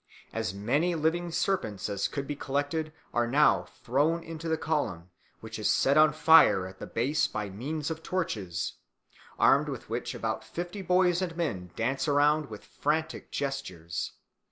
As many living serpents as could be collected are now thrown into the column, which is set on fire at the base by means of torches, armed with which about fifty boys and men dance around with frantic gestures.